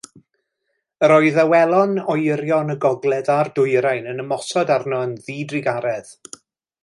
Yr oedd awelon oerion y gogledd a'r dwyrain yn ymosod arno yn ddidrugaredd.